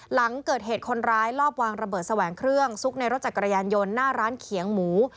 หลังเกิดเหตุคนร้ายรอบวางระเบิดแสวงเครื่องซุกในรถจักรยานยนต์หน้าร้านเขียงหมู